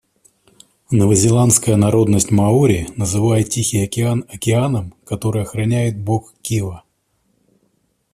Новозеландская народность маори называет Тихий океан океаном, который охраняет бог Кива.